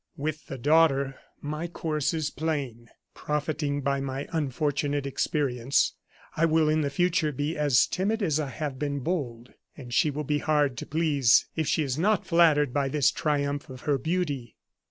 With the daughter my course is plain. Profiting by my unfortunate experience, I will, in the future, be as timid as I have been bold; and she will be hard to please if she is not flattered by this triumph of her beauty.